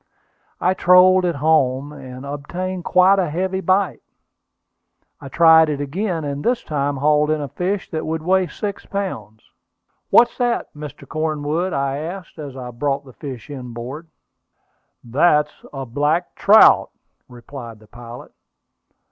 I trolled it home, and obtained quite a heavy bite. I tried it again, and this time hauled in a fish that would weigh six pounds. "What's that, Mr. Cornwood?" I asked, as I brought the fish inboard. "That's a black trout," replied the pilot.